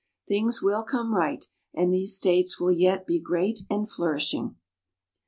Things will come right, and these States will yet be great and flourishing.